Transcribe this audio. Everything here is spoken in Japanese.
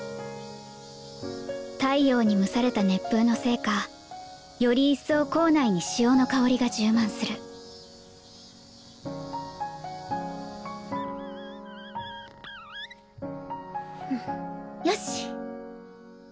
太陽に蒸された熱風のせいかより一層校内に潮の香りが充満するよし！